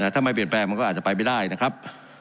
ถ้าไม่เปลี่ยนแปลงมันก็อาจจะไปไม่ได้นะครับ